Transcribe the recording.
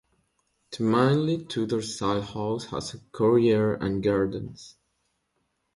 The mainly Tudor-style house has a courtyard and gardens.